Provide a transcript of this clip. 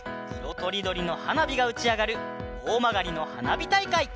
とりどりのはなびがうちあがるおおまがりのはなびたいかい。